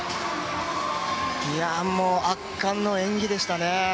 圧巻の演技でしたね。